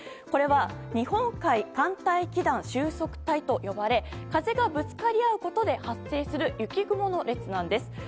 これは日本海寒帯気団収束帯と呼ばれ風がぶつかり合うことで発生する雪雲の列なんです。